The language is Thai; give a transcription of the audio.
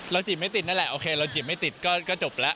จีบไม่ติดนั่นแหละโอเคเราจีบไม่ติดก็จบแล้ว